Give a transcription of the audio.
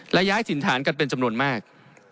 และย้ายถิ่นฐานกันเป็นจำนวนมาก